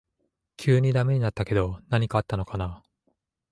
急にダメになったけど何かあったのかな